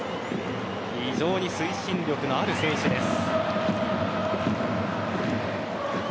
非常に推進力のある選手です。